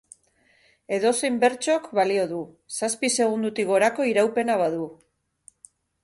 Edozein bertsok balio du, zazpi segundotik gorako iraupena badu.